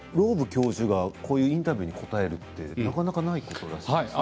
教授がこういうインタビューに答えるってなかなかないことらしいですね。